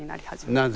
なぜ？